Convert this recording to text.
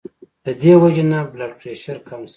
د دې وجې نه بلډ پرېشر کم شي